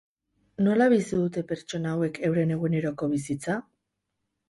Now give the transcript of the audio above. Nola bizi dute pertsona hauek euren eguneroko bizitza?